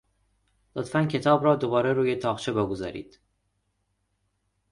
لطفا کتاب را دوباره روی تاقچه بگذارید؟